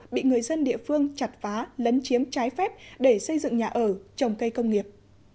bị người dân địa phương chặt phá lấn chiếm trái phép để xây dựng nhà ở trồng cây công nghiệp